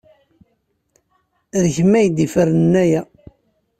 D kemm ay ifernen aya.